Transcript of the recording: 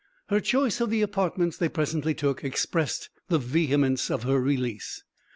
Her choice of the apartments they presently took expressed the vehemence of her release.